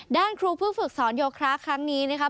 ด้านครูเพื่อฝึกสอนโยคะครั้งนี้นะคะ